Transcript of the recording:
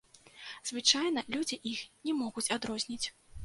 Звычайныя людзі іх не могуць адрозніць.